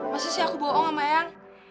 masa sih aku bohong sama yang